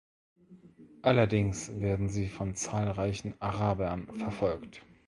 Allerdings werden sie von zahlreichen Arabern verfolgt.